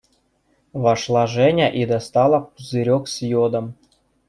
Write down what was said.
Вошла Женя и достала пузырек с йодом.